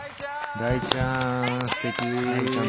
大ちゃん！